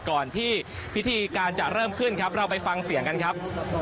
ก่อนที่พิธีการจะเริ่มขึ้นครับเราไปฟังเสียงกันครับ